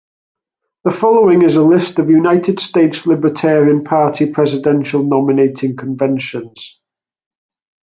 The following is a list of United States Libertarian Party Presidential nominating conventions.